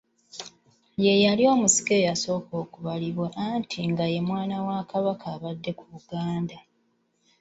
Ye yali omusika asooka okubalibwa, anti nga ye mwana wa Kabaka abadde ku Buganda.